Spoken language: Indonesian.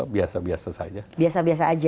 biasa biasa saja biasa biasa aja